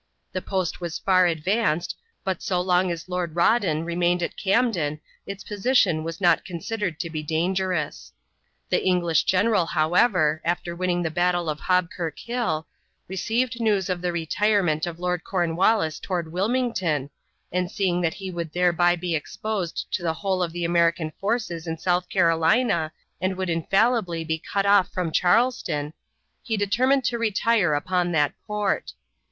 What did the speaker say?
The post was far advanced, but so long as Lord Rawdon remained at Camden its position was not considered to be dangerous. The English general, however, after winning the battle of Hobkirk Hill, received news of the retirement of Lord Cornwallis toward Wilmington, and seeing that he would thereby be exposed to the whole of the American forces in South Carolina and would infallibly be cut off from Charleston, he determined to retire upon that port.